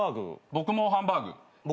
僕もハンバーグ。